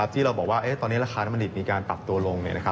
ที่เราบอกว่าตอนนี้ราคาน้ำมันดิบมีการปรับตัวลง